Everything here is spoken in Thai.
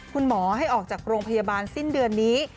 คุณหมอให้ออกจากโรงพยาบาลสิ้นเดือนนี้